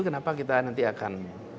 kenapa kita nanti akan